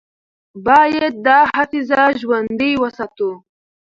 باید دا حافظه ژوندۍ وساتو.